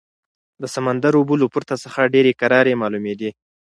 د سمندر اوبه له پورته څخه ډېرې کرارې معلومېدې.